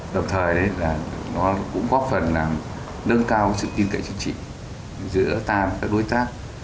đồng thời nó cũng góp phần nâng cao sự tin cậy chính trị giữa ta và các đối tác